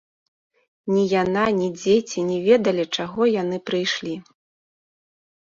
Ні яна, ні дзеці не ведалі, чаго яны прыйшлі.